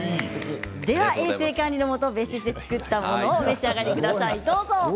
衛生管理のもと別室で作ったものをお召し上がりください。